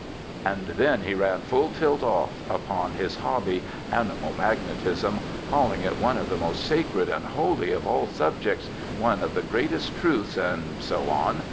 'And then he ran full tilt off upon his hobby, "animal magnetism," caUing it one of the most sacred and holy of all subjects, one of the greatest truths, and so on.